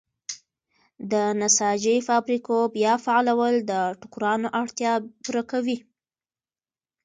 د نساجۍ فابریکو بیا فعالول د ټوکرانو اړتیا پوره کوي.